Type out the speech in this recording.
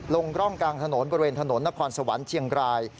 ร่องกลางถนนบริเวณถนนนครสวรรค์เชียงราย